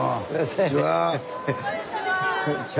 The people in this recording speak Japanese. こんにちは。